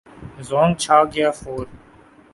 زونگ چھا گیا فور